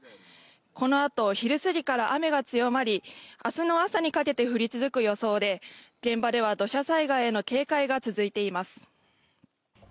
このあと昼過ぎから雨が強まり明日の朝にかけて降り続く予想で現場では土砂災害への警戒が続いています。